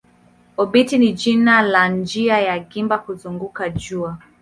Obiti ni jina la njia ya gimba kuzunguka jua.